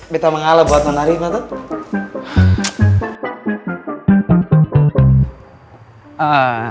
kita mengalah buat orang arifah tuh